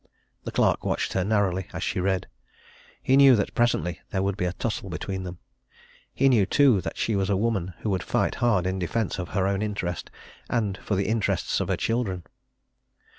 The clerk watched her narrowly as she read. He knew that presently there would be a tussle between them: he knew, too, that she was a woman who would fight hard in defence of her own interest, and for the interests of her children.